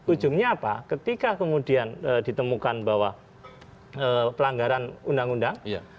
ujungnya apa ketika kemudian ditemukan bahwa pelanggaran undang undang